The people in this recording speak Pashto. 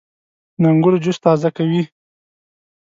• د انګورو جوس تازه کوي.